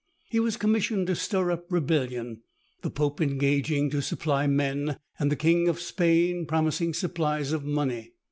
He was commissioned to stir up rebellion, the pope engaging to supply men, and the king of Spain promising supplies of money.